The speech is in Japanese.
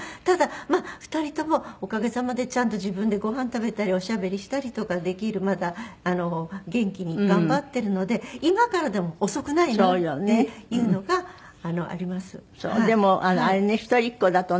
ただまあ２人ともおかげさまでちゃんと自分でごはん食べたりおしゃべりしたりとかできるまだ元気に頑張ってるので今からでも遅くないなっていうのがあります。